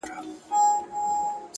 پايزېب به دركړمه د سترگو توره،